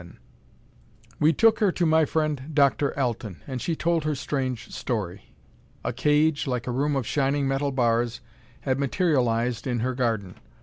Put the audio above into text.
We took her to my friend Dr. Alten and she told her strange story. A cage, like a room of shining metal bars, had materialized in her garden.